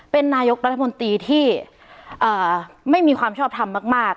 เป็นนายกรัฐมนตรีที่ไม่มีความชอบทำมาก